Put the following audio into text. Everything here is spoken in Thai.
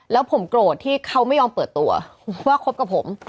แล้วผมโกรธที่เขาไม่ยอมเปิดตัวว่าคบกับผม